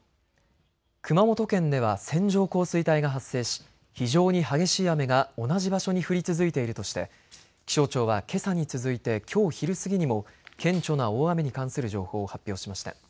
熊本県では線状降水帯が発生し非常に激しい雨が同じ場所に降り続いているとして気象庁はけさに続いてきょう昼過ぎにも顕著な大雨に関する情報を発表しました。